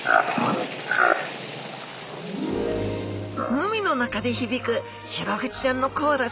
海の中で響くシログチちゃんのコーラス。